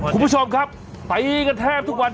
คุณผู้ชมครับตีกันแทบทุกวัน